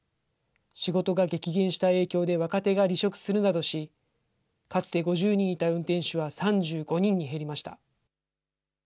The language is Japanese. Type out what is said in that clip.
仕事が激減した影響で若手が離職するなどし、かつて５０人いた運転手は３５人に減りました。